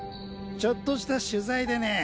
ちょっとした取材でね。